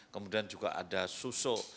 kemudian juga ada susuk